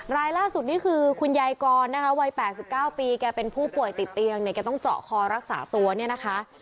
รายล่าสุดนี่คือคุณยายกรนะคะวัย๘๙ปีแกเป็นผู้ป่วยติดเตียงเนี่ยแกต้องเจาะคอรักษาตัวเนี่ยนะคะ